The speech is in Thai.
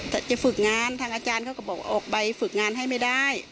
แต่จะฝึกงานทางอาจารย์เขาก็บอกออกใบฝึกงานให้ไม่ได้